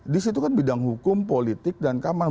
di situ kan bidang hukum politik dan keamanan